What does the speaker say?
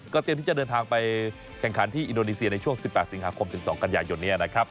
เตรียมที่จะเดินทางไปแข่งขันที่อินโดนีเซียในช่วง๑๘สิงหาคมถึง๒กันยายนนี้นะครับ